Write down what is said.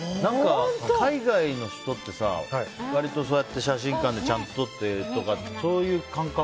海外の人って割とそうやって写真館でちゃんと撮ってとかそういう感覚？